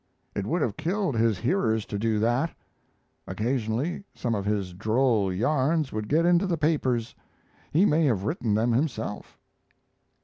It would have killed his hearers to do that. Occasionally some of his droll yarns would get into the papers. He may have written them himself.